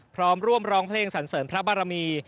พร้อมร่วมร้องเพลงสันเสริญพระบารมี